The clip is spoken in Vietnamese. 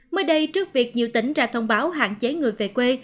mới đây trước việc nhiều tỉnh ra thông báo hạn chế người về quê